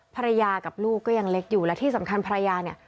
ภรรยากับลูกก็ยังเล็กอยู่และที่สำคัญภรรยาเนี่ย